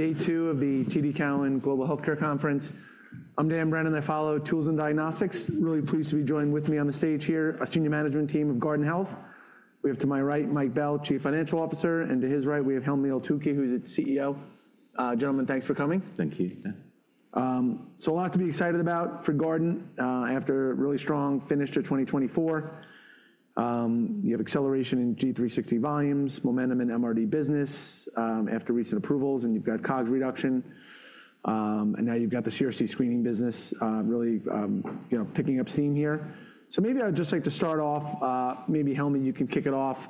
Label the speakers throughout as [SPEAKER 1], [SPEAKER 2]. [SPEAKER 1] Day two of the TD Cowen Global Healthcare Conference. I'm Dan Brennan, Life, Health, Tools and Diagnostics. Really pleased to be joined with me on the stage here, are Senior Management team of Guardant Health. We have to my right, Mike Bell, Chief Financial Officer, and to his right, we have Helmy Eltoukhy, who's a CEO. Gentlemen, thanks for coming.
[SPEAKER 2] Thank you.
[SPEAKER 1] A lot to be excited about for Guardant after a really strong finish to 2024. You have acceleration in G360 volumes, momentum in MRD business after recent approvals, and you've got COGS reduction. Now you've got the CRC screening business really picking up steam here. Maybe I would just like to start off. Maybe Helmy, you can kick it off,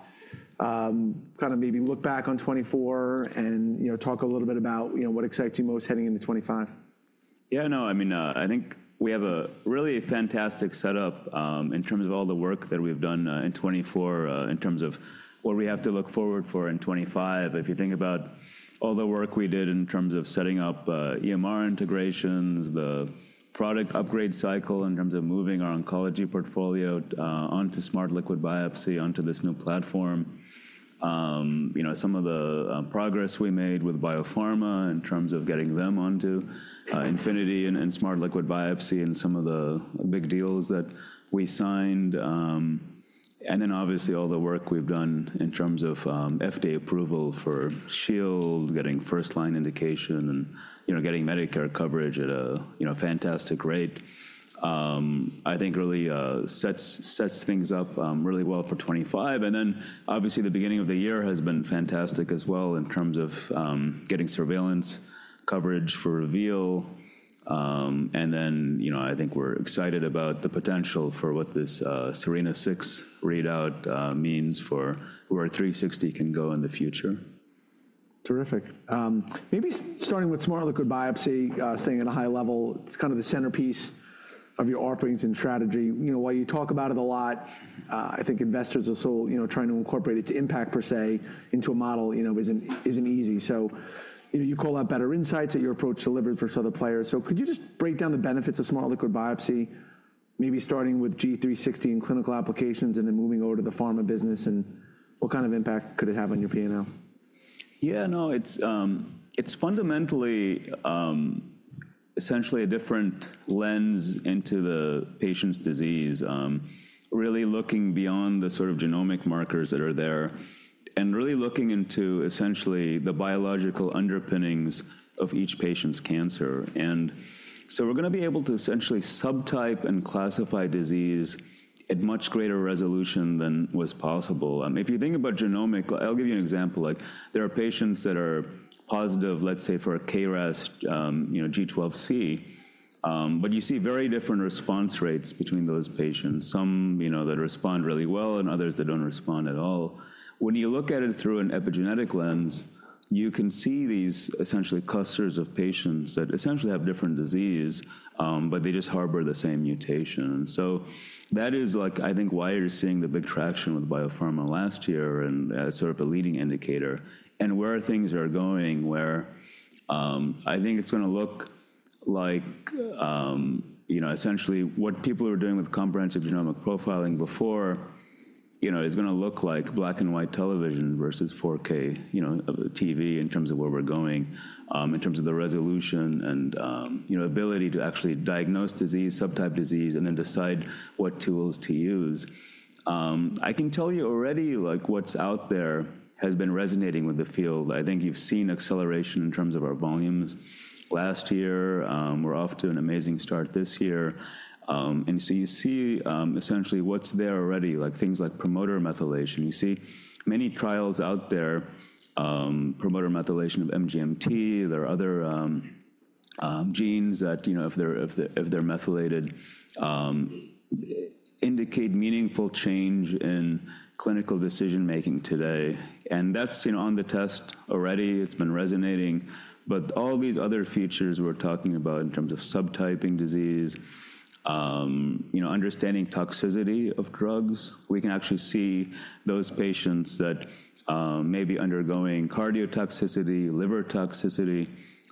[SPEAKER 1] kind of maybe look back on 2024 and talk a little bit about what excites you most heading into 2025.
[SPEAKER 2] Yeah, no, I mean, I think we have a really fantastic setup in terms of all the work that we've done in 2024, in terms of what we have to look forward for in 2025. If you think about all the work we did in terms of setting up EMR integrations, the product upgrade cycle in terms of moving our Oncology portfolio onto Smart Liquid Biopsy, onto this new platform. Some of the progress we made with biopharma in terms of getting them onto Infinity and Smart Liquid Biopsy and some of the big deals that we signed, and then obviously all the work we've done in terms of FDA approval for Shield, getting first line indication and getting Medicare coverage at a fantastic rate, I think really sets things up really well for 2025. And then obviously the beginning of the year has been fantastic as well in terms of getting surveillance coverage for Reveal. And then I think we're excited about the potential for what this SERENA-6 readout means for where 360 can go in the future.
[SPEAKER 1] Terrific. Maybe starting with Smart Liquid Biopsy, staying at a high level, it's kind of the centerpiece of your offerings and strategy. While you talk about it a lot, I think investors are still trying to incorporate its impact per se into a model, isn't easy. So, you call out better insights that your approach delivers for some of the players. So, could you just break down the benefits of Smart Liquid Biopsy, maybe starting with G360 in clinical applications and then moving over to the pharma business, and what kind of impact could it have on your P&L?
[SPEAKER 2] Yeah, no, it's fundamentally essentially a different lens into the patient's disease, really looking beyond the sort of genomic markers that are there and really looking into essentially the biological underpinnings of each patient's cancer, and so we're going to be able to essentially subtype and classify disease at much greater resolution than was possible. If you think about genomic, I'll give you an example. There are patients that are positive, let's say for a KRAS G12C, but you see very different response rates between those patients. Some that respond really well and others that don't respond at all. When you look at it through an epigenetic lens, you can see these essentially clusters of patients that essentially have different disease, but they just harbor the same mutation. So that is like, I think why you're seeing the big traction with biopharma last year and sort of a leading indicator and where things are going, where I think it's going to look like essentially what people were doing with comprehensive genomic profiling before is going to look like black and white television versus 4K TV in terms of where we're going, in terms of the resolution and ability to actually diagnose disease, subtype disease, and then decide what tools to use. I can tell you already what's out there has been resonating with the field. I think you've seen acceleration in terms of our volumes last year. We're off to an amazing start this year. And so you see essentially what's there already, like things like promoter methylation. You see many trials out there, promoter methylation of MGMT. There are other genes that if they're methylated indicate meaningful change in clinical decision making today, and that's on the test already. It's been resonating, but all these other features we're talking about in terms of subtyping disease, understanding toxicity of drugs, we can actually see those patients that may be undergoing cardiotoxicity, liver toxicity.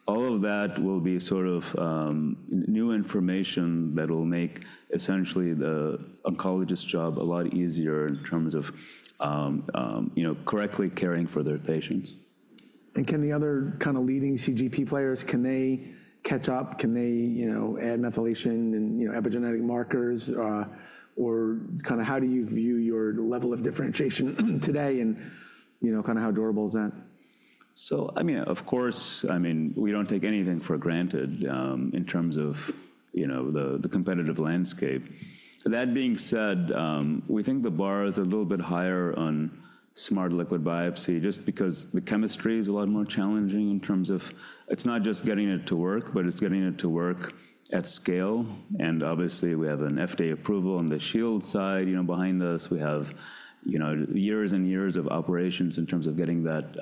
[SPEAKER 2] All of that will be sort of new information that will make essentially the oncologist's job a lot easier in terms of correctly caring for their patients.
[SPEAKER 1] And can the other kind of leading CGP players, can they catch up? Can they add methylation and epigenetic markers? Or kind of how do you view your level of differentiation today and kind of how durable is that?
[SPEAKER 2] So I mean, of course, I mean, we don't take anything for granted in terms of the competitive landscape. That being said, we think the bar is a little bit higher on Smart Liquid Biopsy just because the chemistry is a lot more challenging in terms of it's not just getting it to work, but it's getting it to work at scale. And obviously we have an FDA approval on the Shield side behind us. We have years and years of operations in terms of getting that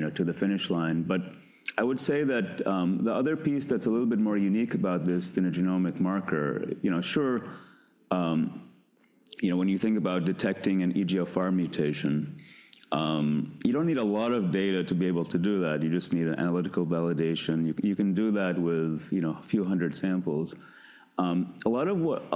[SPEAKER 2] to the finish line. But I would say that the other piece that's a little bit more unique about this than a genomic marker, sure, when you think about detecting an EGFR mutation, you don't need a lot of data to be able to do that. You just need an analytical validation. You can do that with a few hundred samples. A lot of what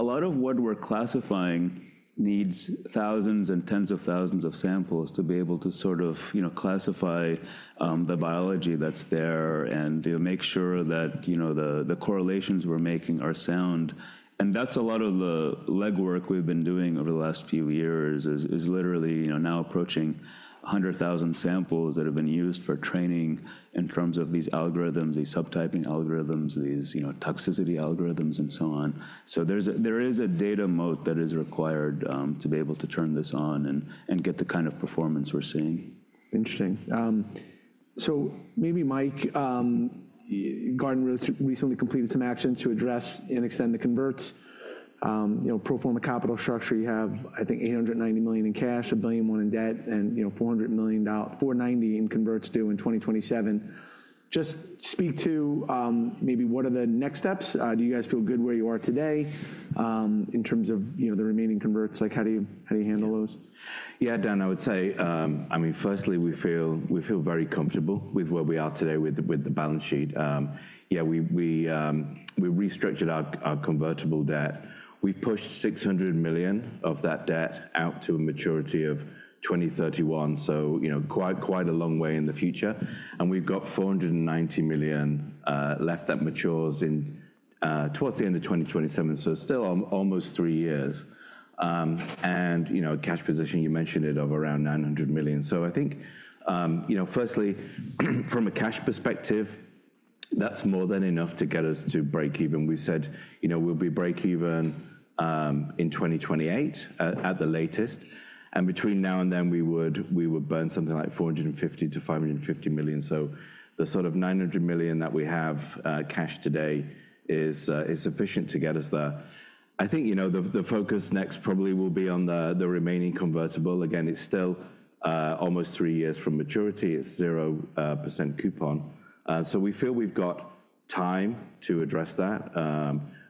[SPEAKER 2] we're classifying needs thousands and tens of thousands of samples to be able to sort of classify the biology that's there and make sure that the correlations we're making are sound. And that's a lot of the legwork we've been doing over the last few years is literally now approaching 100,000 samples that have been used for training in terms of these algorithms. These subtyping algorithms, these toxicity algorithms, and so on, so there is a data moat that is required to be able to turn this on and get the kind of performance we're seeing.
[SPEAKER 1] Interesting. So, maybe Mike, Guardant recently completed some actions to address and extend the converts. Pro forma capital structure, you have, I think, $890 million in cash, $1 billion more in debt, and $490 million in converts due in 2027. Just speak to maybe what are the next steps. How do you guys feel good where you are today in terms of the remaining converts? How do you handle those?
[SPEAKER 3] Yeah, Dan, I would say, I mean, firstly, we feel very comfortable with where we are today with the balance sheet. Yeah, we restructured our convertible debt. We've pushed $600 million of that debt out to a maturity of 2031, so quite a long way in the future. And we've got $490 million left that matures towards the end of 2027, so still almost three years. And cash position, you mentioned it of around $900 million. So, I think firstly, from a cash perspective, that's more than enough to get us to break even. We said we'll be break even in 2028 at the latest. And between now and then, we would burn something like $450-$550 million. So, the sort of $900 million that we have cash today is sufficient to get us there. I think the focus next probably will be on the remaining convertible. Again, it's still almost three years from maturity. It's 0% coupon. So, we feel we've got time to address that.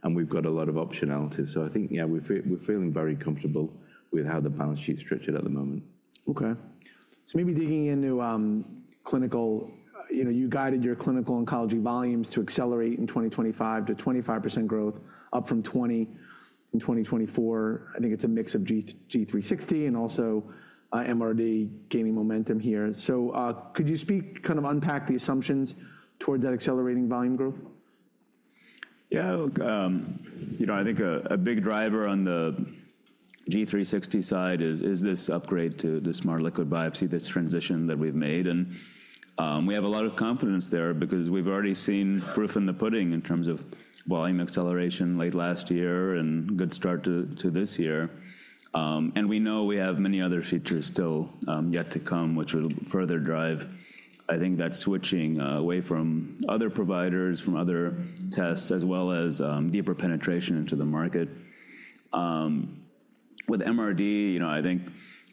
[SPEAKER 3] And we've got a lot of optionality. So, I think, yeah, we're feeling very comfortable with how the balance sheet structured at the moment.
[SPEAKER 1] Okay. So, maybe digging into clinical, you guided your clinical oncology volumes to accelerate in 2025 to 25% growth, up from 20% in 2024. I think it's a mix of G360 and also MRD gaining momentum here. So, could you speak, kind of unpack the assumptions towards that accelerating volume growth?
[SPEAKER 2] Yeah, look, I think a big driver on the G360 side is this upgrade to the Smart Liquid Biopsy, this transition that we've made. And we have a lot of confidence there because we've already seen proof in the pudding in terms of volume acceleration late last year and good start to this year. And we know we have many other features still yet to come, which will further drive, I think, that switching away from other providers, from other tests, as well as deeper penetration into the market. With MRD, I think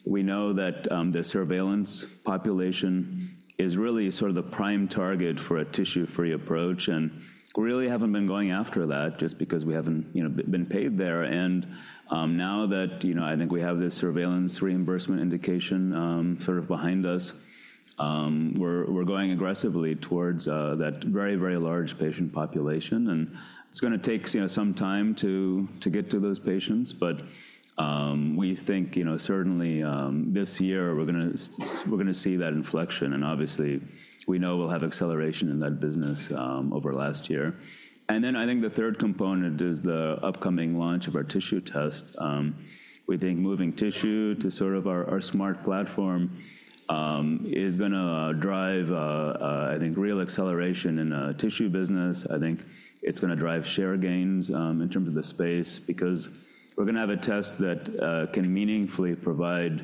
[SPEAKER 2] we know that the surveillance population is really sort of the prime target for a tissue-free approach. And we really haven't been going after that just because we haven't been paid there. And now that I think we have this surveillance reimbursement indication sort of behind us, we're going aggressively towards that very, very large patient population. It's going to take some time to get to those patients. But we think certainly this year we're going to see that inflection. And obviously, we know we'll have acceleration in that business over last year. And then I think the third component is the upcoming launch of our tissue test. We think moving tissue to sort of our smart platform is going to drive, I think, real acceleration in the tissue business. I think it's going to drive share gains in terms of the space because we're going to have a test that can meaningfully provide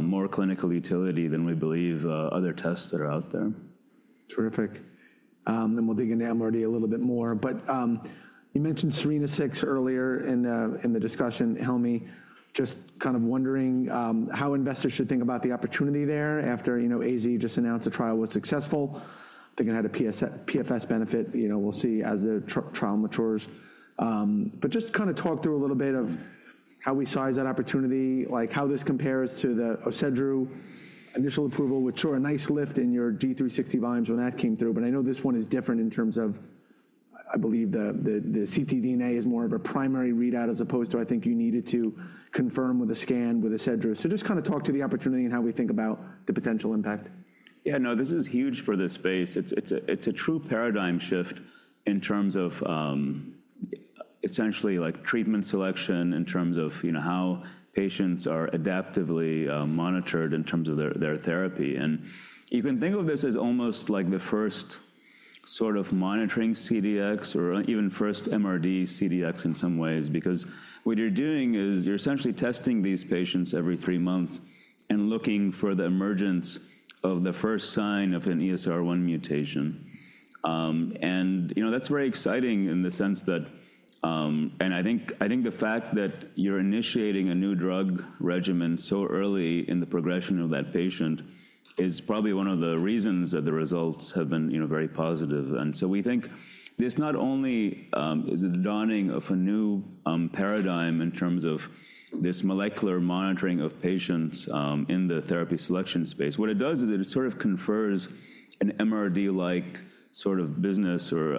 [SPEAKER 2] more clinical utility than we believe other tests that are out there.
[SPEAKER 1] Terrific. And we'll dig into MRD a little bit more. But you mentioned SERENA-6 earlier in the discussion. Helmy, just kind of wondering how investors should think about the opportunity there after AZ just announced the trial was successful. They're going to have a PFS benefit. We'll see as the trial matures. But just kind of talk through a little bit of how we size that opportunity, like how this compares to the Orserdu initial approval, which saw a nice lift in your G360 volumes when that came through. But I know this one is different in terms of, I believe the ctDNA is more of a primary readout as opposed to, I think you needed to confirm with a scan with Orserdu. So, just kind of talk to the opportunity and how we think about the potential impact.
[SPEAKER 2] Yeah, no, this is huge for this space. It's a true paradigm shift in terms of essentially treatment selection in terms of how patients are adaptively monitored in terms of their therapy. And you can think of this as almost like the first sort of monitoring CDx or even first MRD CDx in some ways because what you're doing is you're essentially testing these patients every three months and looking for the emergence of the first sign of an ESR1 mutation. And that's very exciting in the sense that, and I think the fact that you're initiating a new drug regimen so early in the progression of that patient is probably one of the reasons that the results have been very positive. And so we think this not only is a dawning of a new paradigm in terms of this molecular monitoring of patients in the therapy selection space. What it does is it sort of confers an MRD-like sort of business or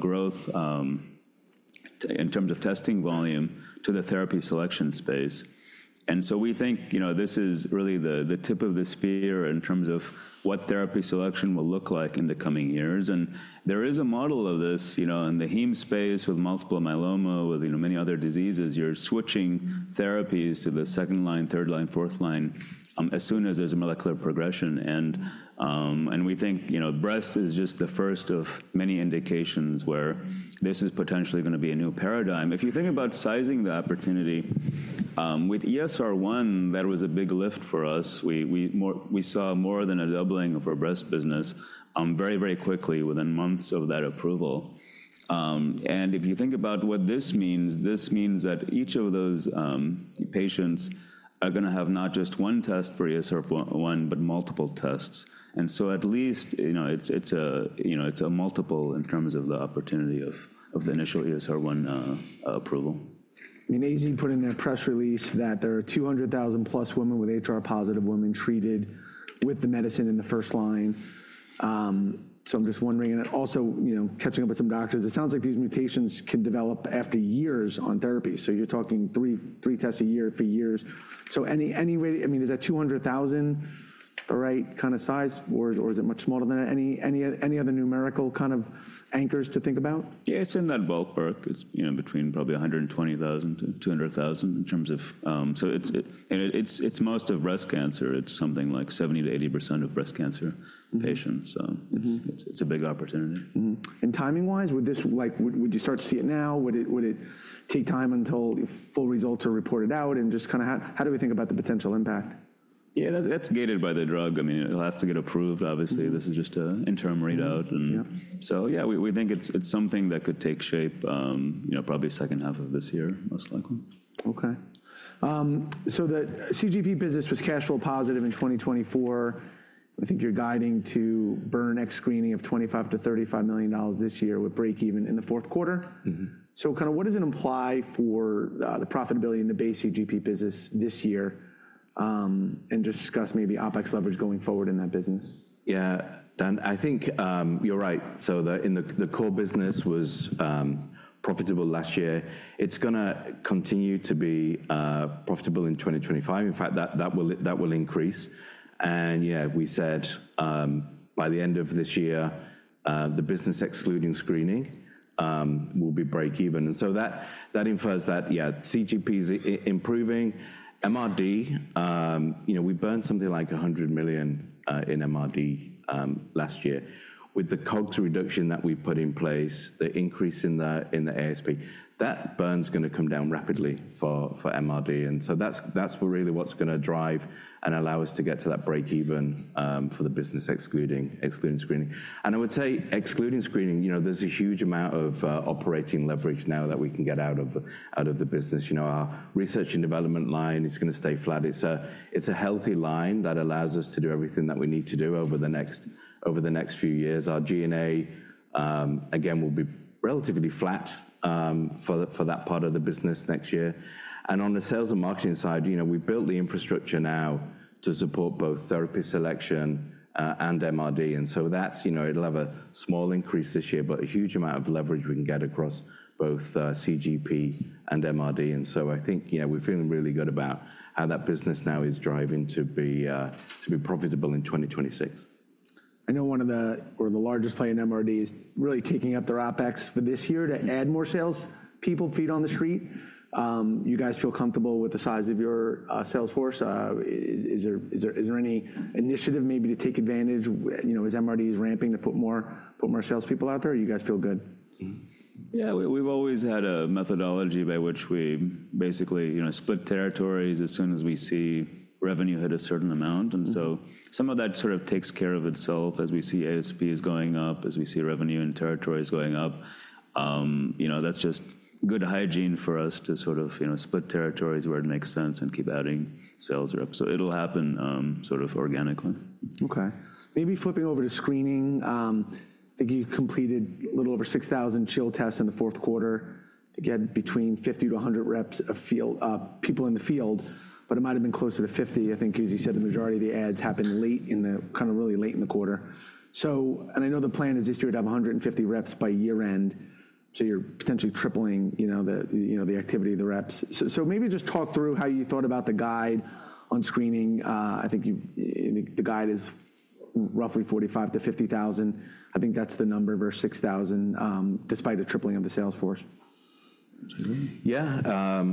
[SPEAKER 2] growth in terms of testing volume to the therapy selection space. And so we think this is really the tip of the spear in terms of what therapy selection will look like in the coming years. And there is a model of this in the heme space with multiple myeloma with many other diseases. You're switching therapies to the second line, third line, fourth line as soon as there's a molecular progression. And we think breast is just the first of many indications where this is potentially going to be a new paradigm. If you think about sizing the opportunity, with ESR1, that was a big lift for us. We saw more than a doubling of our breast business very, very quickly within months of that approval. And if you think about what this me, ans, this means that each of those patients are going to have not just one test for ESR1, but multiple tests. And so, at least it's a multiple in terms of the opportunity of the initial ESR1 approval.
[SPEAKER 1] In AZ put in their press release that there are 200,000 plus women with HR-positive women treated with the medicine in the first line. So, I'm just wondering, and also catching up with some doctors, it sounds like these mutations can develop after years on therapy. So, you're talking three tests a year for years. So anyway, I mean, is that 200,000 the right kind of size, or is it much smaller than any other numerical kind of anchors to think about?
[SPEAKER 2] Yeah, it's in that ballpark between probably 120,000-200,000 in terms of, so it's most of breast cancer. It's something like 70%-80% of breast cancer patients. So, it's a big opportunity.
[SPEAKER 1] And timing-wise, would you start to see it now? Would it take time until full results are reported out? And just kind of how do we think about the potential impact?
[SPEAKER 2] Yeah, that's gated by the drug. I mean, it'll have to get approved, obviously. This is just an interim readout. And so yeah, we think it's something that could take shape probably second half of this year, most likely.
[SPEAKER 1] Okay. So, the CGP business was cash flow positive in 2024. I think you're guiding to burn ex-screening of $25 million-$35 million this year with break even in the fourth quarter. So, kind of what does it imply for the profitability in the base CGP business this year? And just discuss maybe OpEx leverage going forward in that business.
[SPEAKER 3] Yeah, Dan, I think you're right. So the core business was profitable last year. It's going to continue to be profitable in 2025. In fact, that will increase. And yeah, we said by the end of this year, the business excluding screening will be break even. And so that infers that, yeah, CGP is improving. MRD, we burned something like $100 million in MRD last year. With the COGS reduction that we put in place, the increase in the ASP, that burn's going to come down rapidly for MRD. And so that's really what's going to drive and allow us to get to that break even for the business excluding screening. And I would say excluding screening, there's a huge amount of operating leverage now that we can get out of the business. Our research and development line is going to stay flat. It's a healthy line that allows us to do everything that we need to do over the next few years. Our G&A, again, will be relatively flat for that part of the business next year, and on the sales and marketing side, we've built the infrastructure now to support both therapy selection and MRD. And so it'll have a small increase this year, but a huge amount of leverage we can get across both CGP and MRD, and so I think we're feeling really good about how that business now is driving to be profitable in 2026.
[SPEAKER 1] I know one of the largest players in MRD is really taking up their OpEx for this year to add more salespeople, feet on the street. You guys feel comfortable with the size of your sales force? Is there any initiative maybe to take advantage as MRD is ramping to put more salespeople out there? You guys feel good?
[SPEAKER 2] Yeah, we've always had a methodology by which we basically split territories as soon as we see revenue hit a certain amount. And so some of that sort of takes care of itself as we see ASPs going up, as we see revenue in territories going up. That's just good hygiene for us to sort of split territories where it makes sense and keep adding sales reps. So, it'll happen sort of organically.
[SPEAKER 1] Okay. Maybe flipping over to screening. I think you completed a little over 6,000 Shield tests in the fourth quarter. You had between 50 to 100 reps of people in the field. But it might have been closer to 50. I think, as you said, the majority of the adds happened late in the kind of really late in the quarter. And I know the plan is this year to have 150 reps by year-end. So, you're potentially tripling the activity of the reps. So maybe just talk through how you thought about the guide on screening. I think the guide is roughly 45 thousand- 50 thousand. I think that's the number versus 6,000 despite a tripling of the sales force.
[SPEAKER 3] Yeah,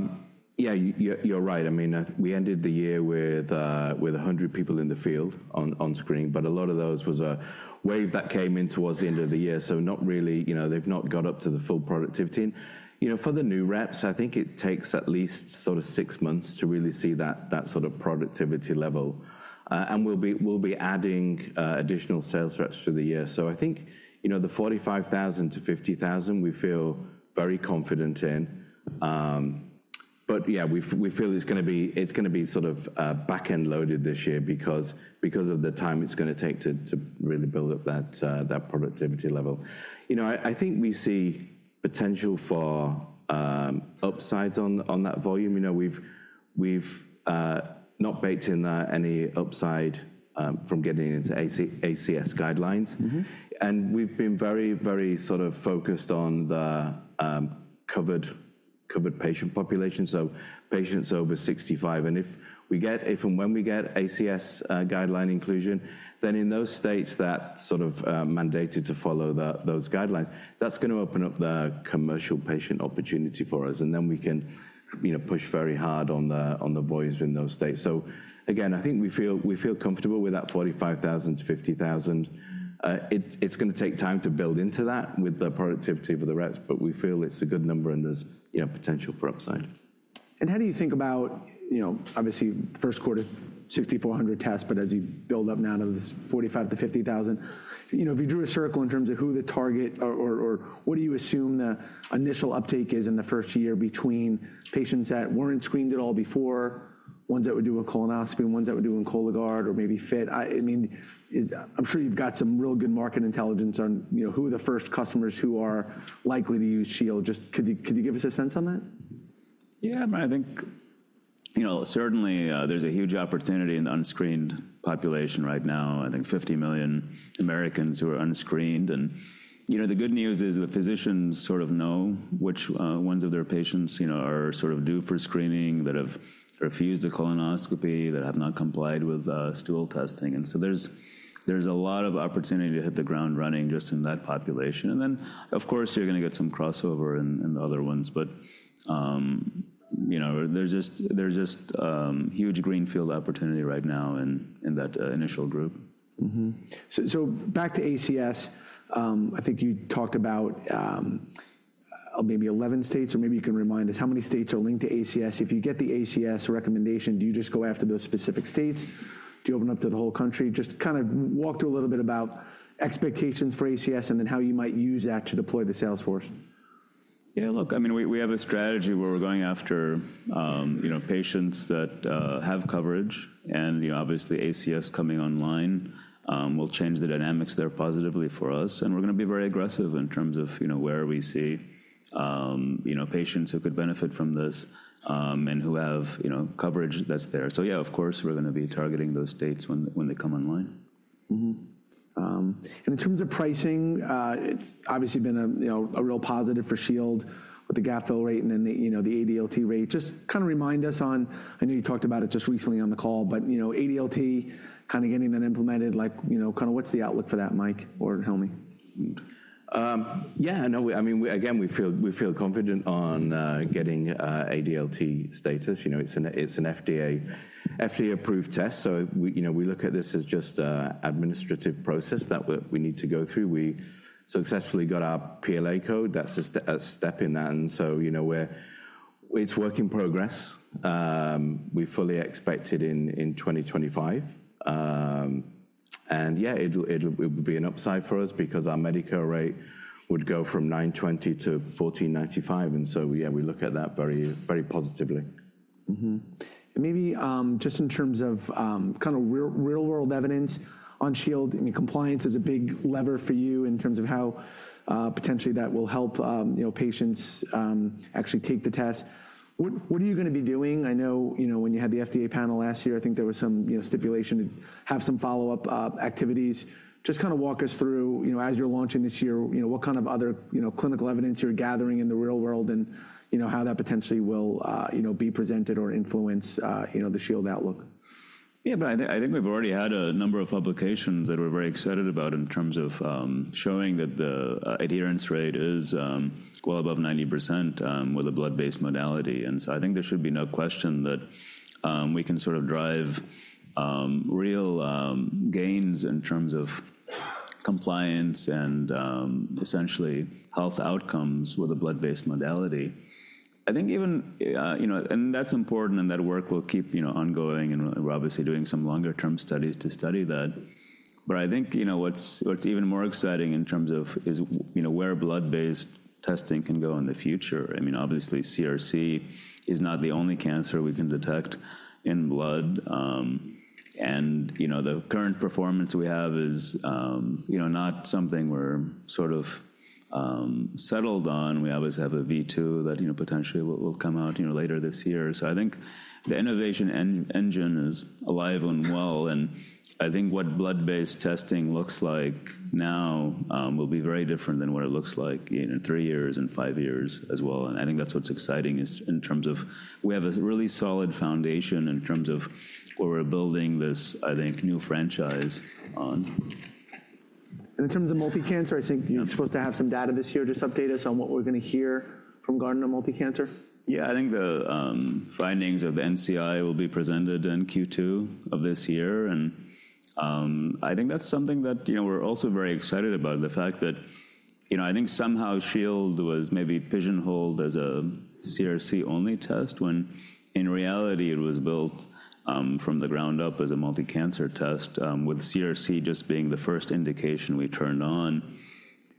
[SPEAKER 3] yeah, you're right. I mean, we ended the year with 100 people in the field on screen. But a lot of those was a wave that came in towards the end of the year. So, not really, they've not got up to the full productivity. For the new reps, I think it takes at least sort of six months to really see that sort of productivity level. And we'll be adding additional sales reps for the year. So, I think the 45,000-50,000 we feel very confident in. But yeah, we feel it's going to be sort of back-end loaded this year because of the time it's going to take to really build up that productivity level. I think we see potential for upsides on that volume. We've not baked in any upside from getting into ACS guidelines. And we've been very, very sort of focused on the covered patient population, so patients over 65. And if we get, if and when we get ACS guideline inclusion, then in those states that sort of mandated to follow those guidelines, that's going to open up the commercial patient opportunity for us. And then we can push very hard on the volumes in those states. So again, I think we feel comfortable with that 45,000-50,000. It's going to take time to build into that with the productivity for the reps. But we feel it's a good number and there's potential for upside.
[SPEAKER 1] How do you think about, obviously, first quarter, 6,400 tests, but as you build up now to the 45,000-50,000? If you drew a circle in terms of who the target or what do you assume the initial uptake is in the first year between patients that weren't screened at all before, ones that would do a colonoscopy, ones that would do in Cologuard or maybe FIT? I mean, I'm sure you've got some real good market intelligence on who the first customers who are likely to use Shield. Just could you give us a sense on that?
[SPEAKER 2] Yeah, I think certainly there's a huge opportunity in the unscreened population right now. I think 50 million Americans who are unscreened. And the good news is the physicians sort of know which ones of their patients are sort of due for screening that have refused a colonoscopy, that have not complied with stool testing. And so there's a lot of opportunity to hit the ground running just in that population. And then, of course, you're going to get some crossover in the other ones. But there's just huge greenfield opportunity right now in that initial group.
[SPEAKER 1] So, back to ACS. I think you talked about maybe 11 states, or maybe you can remind us how many states are linked to ACS. If you get the ACS recommendation, do you just go after those specific states? Do you open up to the whole country? Just kind of walk through a little bit about expectations for ACS and then how you might use that to deploy the sales force.
[SPEAKER 2] Yeah, look, I mean, we have a strategy where we're going after patients that have coverage. And obviously, ACS coming online will change the dynamics there positively for us. And we're going to be very aggressive in terms of where we see patients who could benefit from this and who have coverage that's there. So yeah, of course, we're going to be targeting those states when they come online.
[SPEAKER 1] In terms of pricing, it's obviously been a real positive for Shield with the gapfill rate and then the ADLT rate. Just kind of remind us on, I know you talked about it just recently on the call, but ADLT kind of getting that implemented, kind of what's the outlook for that, Mike or Helmy?
[SPEAKER 3] Yeah, I know. I mean, again, we feel confident on getting ADLT status. It's an FDA-approved test. So, we look at this as just an administrative process that we need to go through. We successfully got our PLA code. That's a step in that. And so it's work in progress. We fully expect it in 2025. And yeah, it would be an upside for us because our Medicare rate would go from $920 to $1,495. And so yeah, we look at that very positively.
[SPEAKER 1] Maybe just in terms of kind of real-world evidence on Shield, compliance is a big lever for you in terms of how potentially that will help patients actually take the test. What are you going to be doing? I know when you had the FDA panel last year, I think there was some stipulation to have some follow-up activities. Just kind of walk us through, as you're launching this year, what kind of other clinical evidence you're gathering in the real world and how that potentially will be presented or influence the Shield outlook.
[SPEAKER 2] Yeah, but I think we've already had a number of publications that we're very excited about in terms of showing that the adherence rate is well above 90% with a blood-based modality. And so, I think there should be no question that we can sort of drive real gains in terms of compliance and essentially health outcomes with a blood-based modality. I think even, and that's important and that work will keep ongoing. And we're obviously doing some longer-term studies to study that. But I think what's even more exciting in terms of is where blood-based testing can go in the future. I mean, obviously, CRC is not the only cancer we can detect in blood. And the current performance we have is not something we're sort of settled on. We always have a V2 that potentially will come out later this year. So, I think the innovation engine is alive and well. And I think what blood-based testing looks like now will be very different than what it looks like in three years and five years as well. And I think that's what's exciting in terms of we have a really solid foundation in terms of where we're building this, I think, new franchise on.
[SPEAKER 1] In terms of multicancer, I think you're supposed to have some data this year. Just update us on what we're going to hear from Guardant Multi-Cancer.
[SPEAKER 2] Yeah, I think the findings of the NCI will be presented in Q2 of this year. And I think that's something that we're also very excited about. The fact that I think somehow Shield was maybe pigeonholed as a CRC-only test when in reality, it was built from the ground up as a multi-cancer test with CRC just being the first indication we turned on.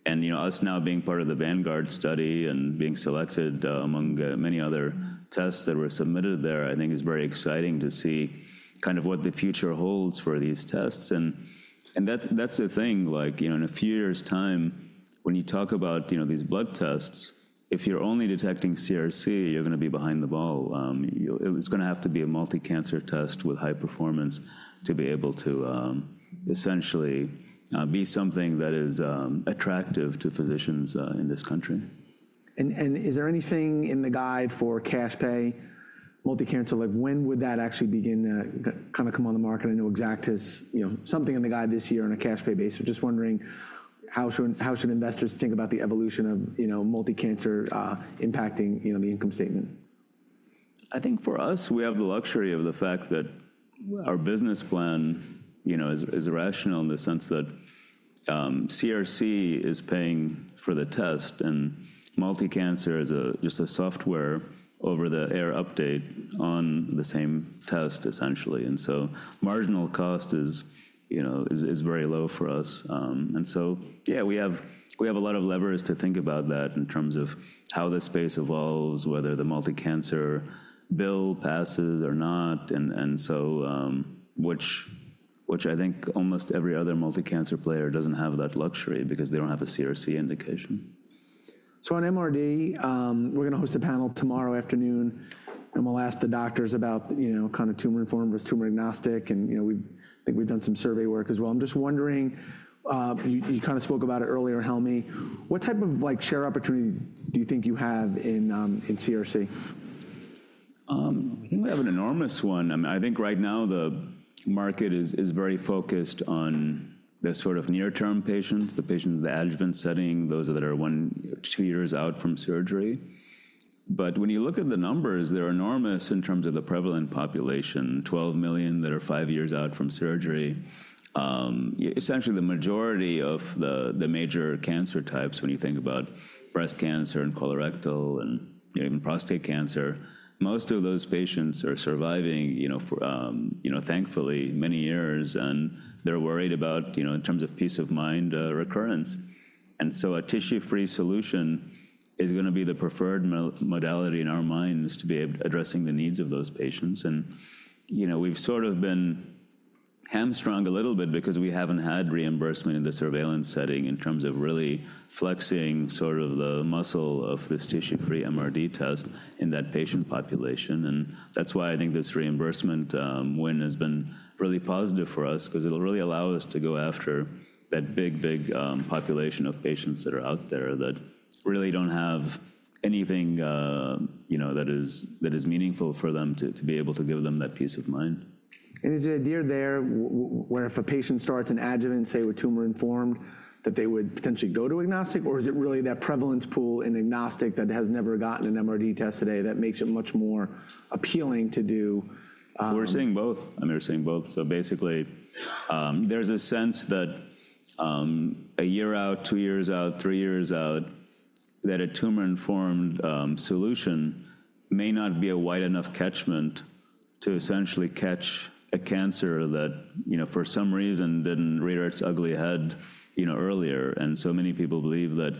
[SPEAKER 2] And us now being part of the Vanguard study and being selected among many other tests that were submitted there, I think is very exciting to see kind of what the future holds for these tests. And that's the thing. In a few years' time, when you talk about these blood tests, if you're only detecting CRC, you're going to be behind the ball. It's going to have to be a multi-cancer test with high performance to be able to essentially be something that is attractive to physicians in this country.
[SPEAKER 1] Is there anything in the guide for cash pay multi-cancer? When would that actually begin to kind of come on the market? I know Exact has something in the guide this year on a cash pay basis. Just wondering how should investors think about the evolution of multi-cancer impacting the income statement?
[SPEAKER 2] I think for us, we have the luxury of the fact that our business plan is rational in the sense that CRC is paying for the test. And multi-cancer is just a software over-the-air update on the same test, essentially. And so, marginal cost is very low for us. And so yeah, we have a lot of leverage to think about that in terms of how the space evolves, whether the multi-cancer bill passes or not. And so which I think almost every other multi-cancer player doesn't have that luxury because they don't have a CRC indication.
[SPEAKER 1] So, on MRD, we're going to host a panel tomorrow afternoon and we'll ask the doctors about kind of tumor-informed versus tumor-agnostic. I think we've done some survey work as well. I'm just wondering, you kind of spoke about it earlier, Helmy, what type of share opportunity do you think you have in CRC?
[SPEAKER 2] I think we have an enormous one. I think right now the market is very focused on the sort of near-term patients, the patients with adjuvant setting, those that are one or two years out from surgery, but when you look at the numbers, they're enormous in terms of the prevalent population, 12 million that are five years out from surgery. Essentially, the majority of the major cancer types, when you think about breast cancer and colorectal and even prostate cancer, most of those patients are surviving, thankfully, many years, and they're worried about in terms of peace of mind recurrence, and so a tissue-free solution is going to be the preferred modality in our minds to be addressing the needs of those patients. We've sort of been hamstrung a little bit because we haven't had reimbursement in the surveillance setting in terms of really flexing sort of the muscle of this tissue-free MRD test in that patient population. That's why I think this reimbursement win has been really positive for us because it'll really allow us to go after that big, big population of patients that are out there that really don't have anything that is meaningful for them to be able to give them that peace of mind.
[SPEAKER 1] And is the idea there where if a patient starts an adjuvant, say, with tumor-informed, that they would potentially go to agnostic? Or is it really that prevalence pool in agnostic that has never gotten an MRD test today that makes it much more appealing to do?
[SPEAKER 2] We're seeing both. I mean, we're seeing both. So basically, there's a sense that a year out, two years out, three years out, that a tumor-informed solution may not be a wide enough catchment to essentially catch a cancer that for some reason didn't rear its ugly head earlier. And so many people believe that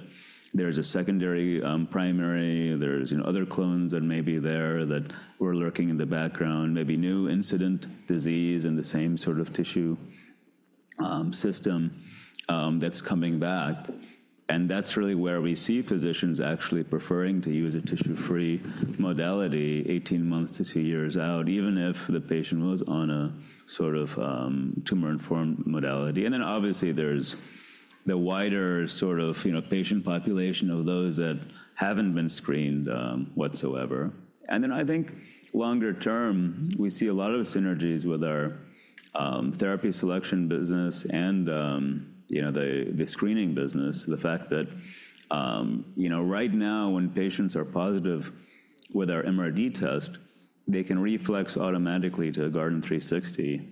[SPEAKER 2] there's a secondary, primary. There's other clones that may be there that we're lurking in the background, maybe new incident disease in the same sort of tissue system that's coming back. And that's really where we see physicians actually preferring to use a tissue-free modality 18 months to two years out, even if the patient was on a sort of tumor-informed modality. And then obviously, there's the wider sort of patient population of those that haven't been screened whatsoever. And then I think longer term, we see a lot of synergies with our therapy selection business and the screening business, the fact that right now when patients are positive with our MRD test, they can reflex automatically to a Guardant360.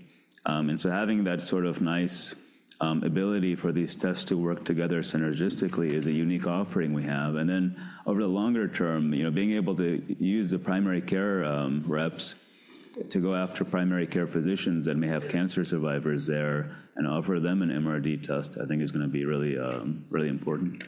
[SPEAKER 2] And so having that sort of nice ability for these tests to work together synergistically is a unique offering we have. And then over the longer term, being able to use the primary care reps to go after primary care physicians that may have cancer survivors there and offer them an MRD test, I think is going to be really important.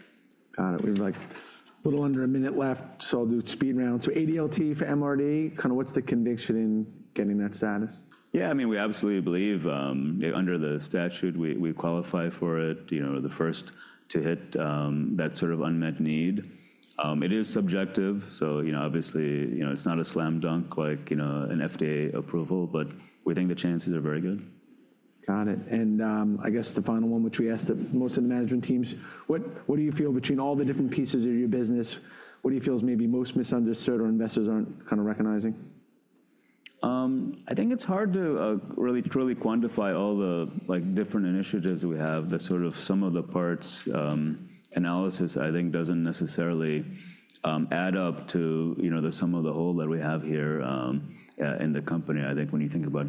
[SPEAKER 1] Got it. We have like a little under a minute left. So, I'll do a speed round. So ADLT for MRD, kind of what's the conviction in getting that status?
[SPEAKER 2] Yeah, I mean, we absolutely believe under the statute, we qualify for it, the first to hit that sort of unmet need. It is subjective, so obviously, it's not a slam dunk like an FDA approval, but we think the chances are very good.
[SPEAKER 1] Got it, and I guess the final one, which we asked most of the management teams, what do you feel between all the different pieces of your business, what do you feel is maybe most misunderstood or investors aren't kind of recognizing?
[SPEAKER 2] I think it's hard to really truly quantify all the different initiatives we have. The sort of sum of the parts analysis, I think, doesn't necessarily add up to the sum of the whole that we have here in the company. I think when you think about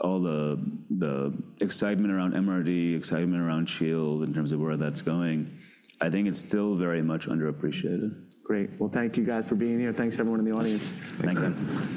[SPEAKER 2] all the excitement around MRD, excitement around Shield in terms of where that's going, I think it's still very much underappreciated.
[SPEAKER 1] Great. Well, thank you guys for being here. Thanks to everyone in the audience.
[SPEAKER 2] Thanks, guys.